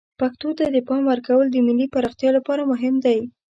پښتو ته د پام ورکول د ملی پراختیا لپاره مهم دی.